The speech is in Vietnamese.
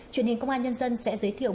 truyền hình công an nhân dân sẽ giới thiệu